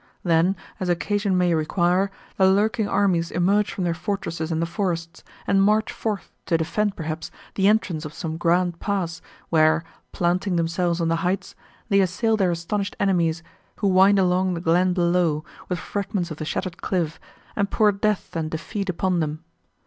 Then, as occasion may require, the lurking armies emerge from their fortresses and the forests, and march forth, to defend, perhaps, the entrance of some grand pass, where, planting themselves on the heights, they assail their astonished enemies, who wind along the glen below, with fragments of the shattered cliff, and pour death and defeat upon them.